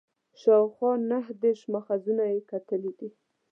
شاوخوا نهه دېرش ماخذونه یې کتلي دي.